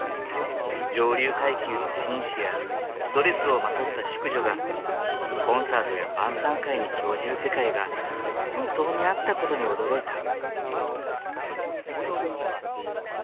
上流階級の紳士やドレスをまとった淑女がコンサートや晩さん会に興じる世界が本当にあったことに驚いた。